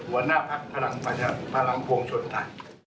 หัวหน้าภักดิ์ภารังภวงชนไทย